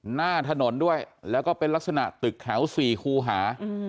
หน้าถนนด้วยแล้วก็เป็นลักษณะตึกแถว๔คูหา